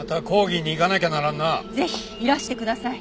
ぜひいらしてください